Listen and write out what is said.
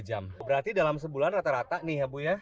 dua jam berarti dalam sebulan rata rata nih ya bu ya